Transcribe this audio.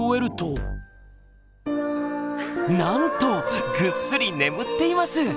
なんとぐっすり眠っています！